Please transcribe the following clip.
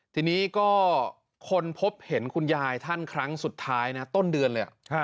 ทีนี้ก็คนพบเห็นคุณยายท่านครั้งสุดท้ายนะต้นเดือนเลย